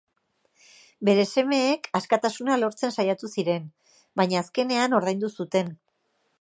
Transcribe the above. Bere semeek askatasuna lortzen saiatu ziren baina azkenean ordaindu zuten.